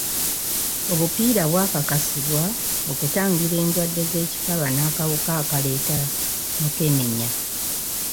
Obupiira bwakakasibwa okutangira endwadde z'ekikaba n'akawuka akaleeta mukenenya.